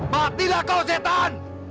matilah kau setan